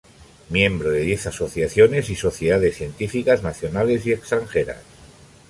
Miembro de diez Asociaciones y Sociedades Científicas nacionales y extranjeras.